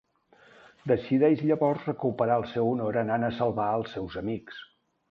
Decideix llavors recuperar el seu honor anant a salvar els seus amics.